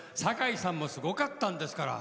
堺さんもすごかったんですから。